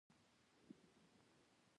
هغوی د ماښام په خوا کې تیرو یادونو خبرې کړې.